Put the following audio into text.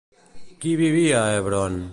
Qui vivia a Hebron?